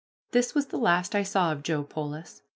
This was the last that I saw of Joe Polis.